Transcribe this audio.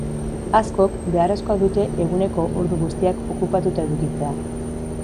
Askok, beharrezkoa dute eguneko ordu guztiak okupatuta edukitzea.